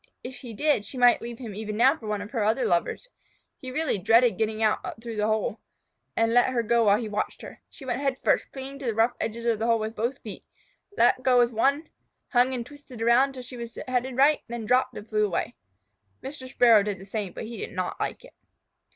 If he did, she might leave him even now for one of her other lovers. He really dreaded getting out through that hole, and let her go while he watched her. She went head first, clinging to the rough edges of the hole with both feet, let go with one, hung and twisted around until she was headed right, then dropped and flew away. Mr. Sparrow did the same, but he did not like it.